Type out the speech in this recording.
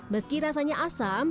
meski rasanya asam